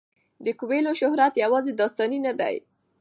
د کویلیو شهرت یوازې داستاني نه دی.